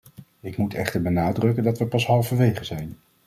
Ik moet echter benadrukken dat we pas halverwege zijn.